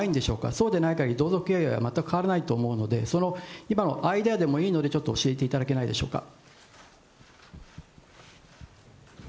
そうでないかぎり、同族経営は全く変わらないと思うので、その、今のアイデアでもいいので、ちょっと教えていただけないでしょうか。